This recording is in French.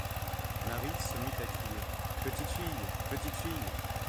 Marie se mit à crier : «Petite fille, petite fille !